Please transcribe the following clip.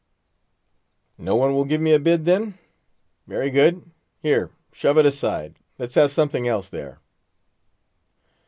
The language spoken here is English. "No one will give me a bid, then? Very good; here, shove it aside. Let's have something else there."